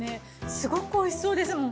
すごくおいしそうですもん。